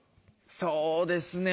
そうですね